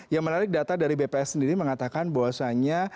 yang menarik data dari bps sendiri mengatakan bahwasannya